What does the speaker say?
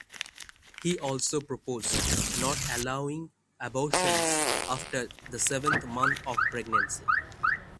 He also proposed not allowing abortions after the seventh month of pregnancy.